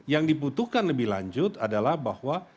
yang dibutuhkan lebih lanjut adalah bahwa